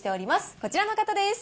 こちらの方です。